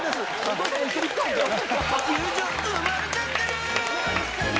友情、生まれちゃってるー。